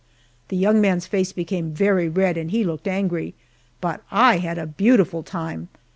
The young man's face became very red and he looked angry, but I had a beautiful time.